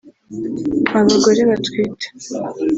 Abagore batwite